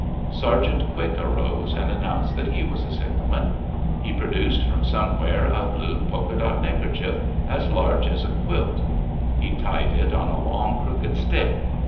Sergeant Quick arose, and announced that he was a signalman. He produced from somewhere a blue polka dot neckerchief as large as a quilt. He tied it on a long, crooked stick.